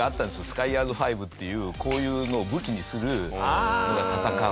『スカイヤーズ５』っていうこういうのを武器にする戦う。